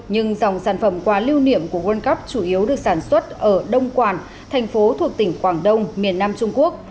nhưng dòng sản phẩm quà lưu niệm của world cup chủ yếu được sản xuất ở đông quản thành phố thuộc tỉnh quảng đông miền nam trung quốc